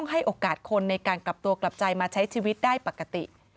ให้โอกาสคนในการกลับตัวกลับใจมาใช้ชีวิตได้ปกติ